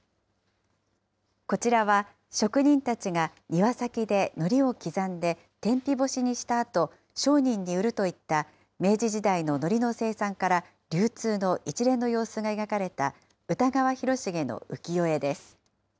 こちらは職人たちが庭先でのりを刻んで、天日干しにしたあと、商人に売るといった明治時代ののりの生産から流通の一連の様子が描かれた歌川広重の浮世絵です。